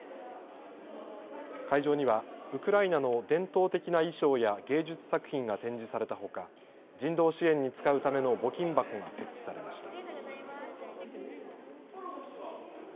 会場にはウクライナの伝統的な衣装や芸術作品が展示されたほか人道支援に使うための募金箱が設置されました。